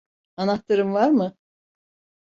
Anahtarın var mı?